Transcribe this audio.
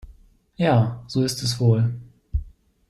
Ja, so ist es wohl.